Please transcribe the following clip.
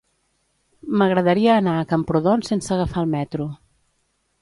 M'agradaria anar a Camprodon sense agafar el metro.